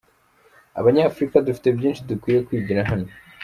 Abanyafurika dufite byinshi dukwiye kwigira hano.